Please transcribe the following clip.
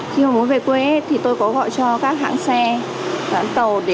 khi mà muốn về quê thì tôi có gọi cho các hãng xe đoán tàu